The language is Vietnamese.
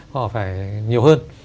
họ phải nhiều hơn